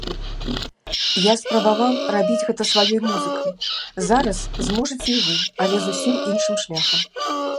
Я спрабаваў рабіць гэта сваёй музыкай, зараз зможаце і вы, але зусім іншым шляхам.